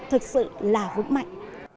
thật sự là vững mạnh